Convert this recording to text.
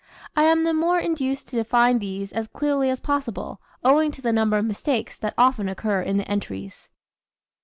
I am the more induced to define these as clearly as possible, owing to the number of mistakes that often occur in the entries.